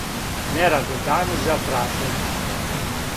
нерадни дани за празник